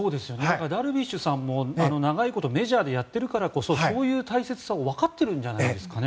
ダルビッシュさんも長いことメジャーでやっているからこそそういう大切さを分かっているんじゃないんですかね。